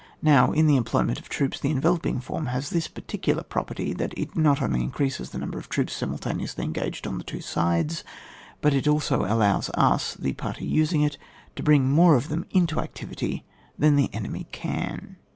Now, in the employment of troops, the enveloping form has this peculiar pro perty, that it not only increases the number of troops simultaneously engaged on the two sides, but it also allows us (the party using it) to bring more of them into ac tivity than the enemy can.